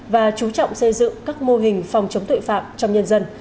và chú trọng xây dựng các mô hình phòng chống tội phạm trong nhân dân